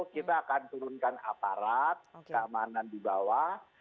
kita akan turunkan aparat keamanan di bawah